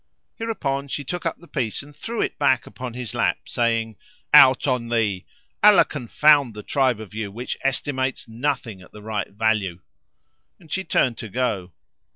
Hereupon she took up the piece and threw it back upon his lap, saying "Out on thee! Allah confound the tribe of you which estimates none at the right value;" and she turned to go.